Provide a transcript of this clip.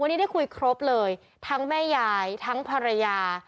วันนี้ได้คุยครบเลยทั้งแม่ยายทั้งภรรยา